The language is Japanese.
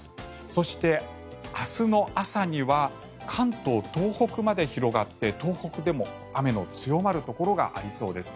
そして、明日の朝には関東、東北まで広がって東北でも雨の強まるところがありそうです。